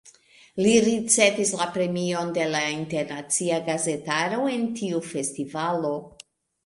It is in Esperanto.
Li ricevis la premion de la internacia gazetaro en tiu festivalo.